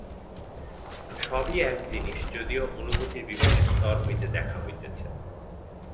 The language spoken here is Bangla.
সবই এক জিনিষ, যদিও অনুভূতির বিভিন্ন স্তর হইতে দেখা হইতেছে।